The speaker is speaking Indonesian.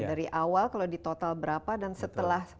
dari awal kalau di total berapa dan setelah